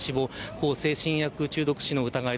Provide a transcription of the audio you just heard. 向精神薬中毒死の疑い。